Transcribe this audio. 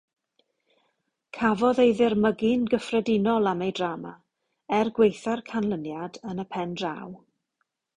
Cafodd ei ddirmygu'n gyffredinol am ei drama, er gwaetha'r canlyniad yn y pen draw.